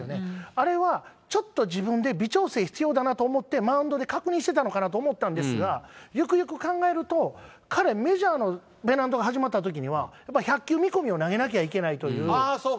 あれは、ちょっと自分で微調整必要だなと思って、マウンドで確認してたのかなと思ったんですが、よくよく考えると、彼、メジャーのペナントが始まったときには、１００球見込みを投げなきゃいけないっていう。